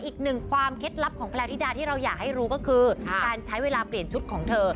อีกหนึ่งความเคล็ดลับของแพลวธิดาที่เราอยากให้รู้ก็คือการใช้เวลาเปลี่ยนชุดของเธอ